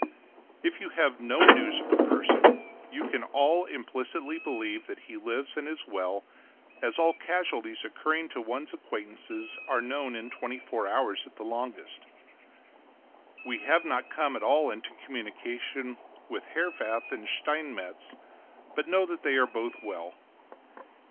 If you have no news of a person, you can all implicitly believe that he lives and is well, as all casualties occurring to one's acquaintances are known in twenty four hours at the longest. We have not come at all into communication with Herwarth and Steinmetz, but know that they are both well.